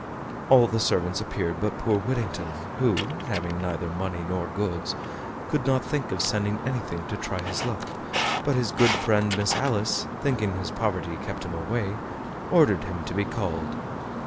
All the servants appeared but poor Whittington, who, having neither money nor goods, could not think of sending anything to try his luck; but his good friend Miss Alice, thinking his poverty kept him away, ordered him to be called.